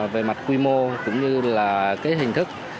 về mặt quy mô cũng như là hình thức